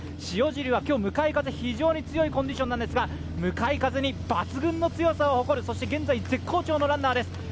塩尻は今日、向かい風非常に強いコンディションなんですが、向かい風に抜群の強さを誇るそして現在絶好調のランナーです。